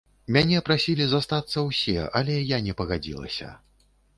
Мяне прасілі застацца ўсе, але я не пагадзілася.